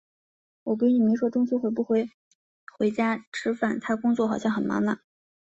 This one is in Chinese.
我闺女没说中秋会不会回家吃饭，她工作好像很忙呢。